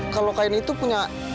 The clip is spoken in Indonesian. kalau kain itu punya